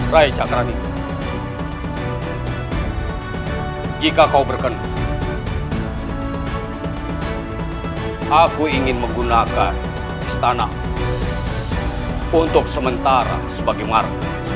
rai cakrami jika kau berkenu aku ingin menggunakan istana untuk sementara sebagai maru